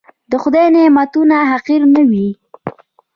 د خدای نعمتونه حقير نه وينئ.